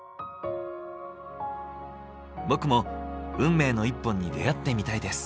僕も運命の一本に出会ってみたいです。